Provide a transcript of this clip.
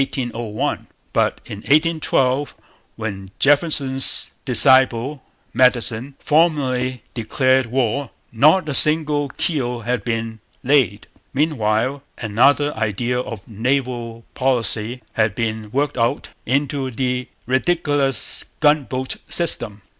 But in 1812, when Jefferson's disciple, Madison, formally declared war, not a single keel had been laid. Meanwhile, another idea of naval policy had been worked out into the ridiculous gunboat system.